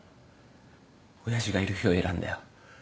親父がいる日を選んだよ。